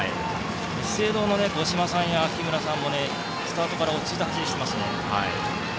資生堂の五島さんや木村さんはスタートから落ち着いた走りをしていますね。